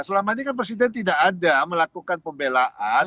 selama ini kan presiden tidak ada melakukan pembelaan